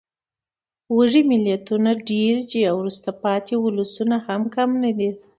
وږې ملتونه ډېر دي او وروسته پاتې ولسونه هم کم نه دي.